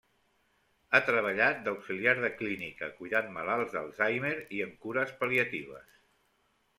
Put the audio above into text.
Ha treballat d'auxiliar de clínica, cuidant malalts d'Alzheimer, i en cures pal·liatives.